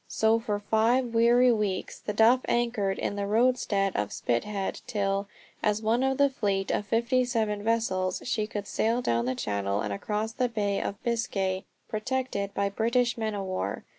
So for five weary weeks The Duff anchored in the roadstead of Spithead till, as one of a fleet of fifty seven vessels, she could sail down the channel and across the Bay of Biscay protected by British men o' war.